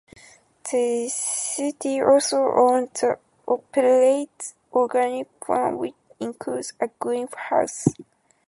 The city also owns and operates a organic farm which includes a greenhouse.